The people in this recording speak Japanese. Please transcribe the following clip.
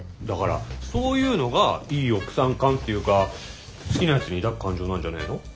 だからそういうのがいい奥さん感っていうか好きな人に抱く感情なんじゃねえの？